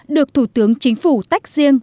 được thủ tướng chính phủ tách riêng